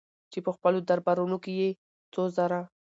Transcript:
چې په خپلو دربارونو کې يې څو زره